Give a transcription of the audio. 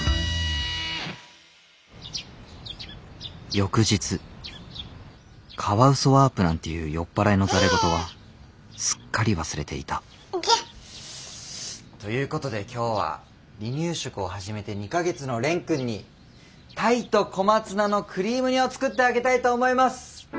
翌日カワウソワープなんていう酔っ払いのざれ言はすっかり忘れていたということで今日は離乳食を始めて２か月の蓮くんに「鯛と小松菜のクリーム煮」を作ってあげたいと思います！